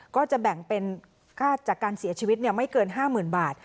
ก็จะแบ่งเป็นค่าจากการเสียชีวิตไม่เกิน๕๐๐๐บาท